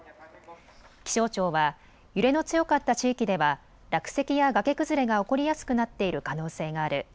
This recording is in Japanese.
気象庁は揺れの強かった地域では落石や崖崩れが起こりやすくなっている可能性がある。